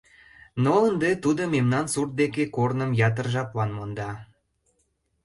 Но ынде тудо мемнан сурт деке корным ятыр жаплан монда.